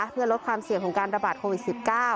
เพื่อลดความเสี่ยงของการระบาดโควิด๑๙